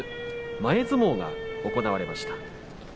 前相撲が行われました。